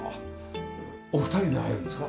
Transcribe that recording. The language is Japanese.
お二人で入るんですか？